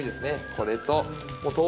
これと。